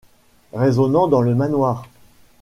résonnant dans le manoir.